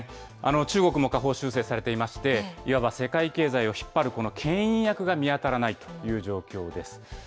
中国も下方修正されていまして、いわば世界経済を引っ張るけん引役が見当たらないという状況です。